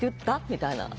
みたいな。